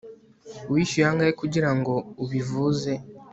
Wishyuwe angahe kugirango ubivuze